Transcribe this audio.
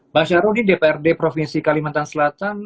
pak syarudin dprd provinsi kalimantan selatan